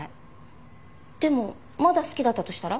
でもまだ好きだったとしたら？